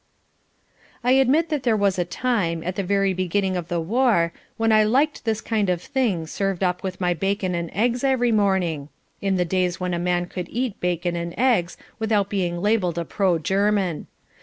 I admit that there was a time, at the very beginning of the war, when I liked this kind of thing served up with my bacon and eggs every morning, in the days when a man could eat bacon and eggs without being labelled a pro German.